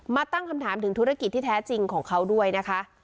ตั้งคำถามถึงธุรกิจที่แท้จริงของเขาด้วยนะคะ